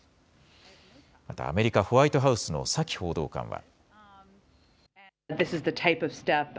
またアメリカ・ホワイトハウスのサキ報道官は。